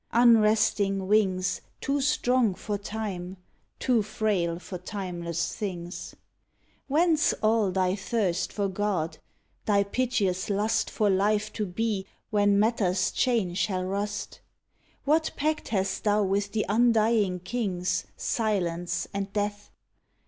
lUnresting wings, Too strong for Time, too frail for timeless things ! Whence all thy thirst for God, thy piteous lust For life to be when matter's chain shall rust? What pact hast thou with the undying kings, Silence and Death?